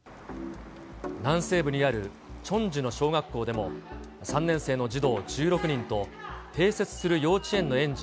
南西部にあるチョンジュの小学校でも、３年生の児童１６人と、併設する幼稚園の園児